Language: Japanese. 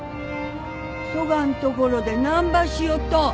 そがんところでなんばしよっと。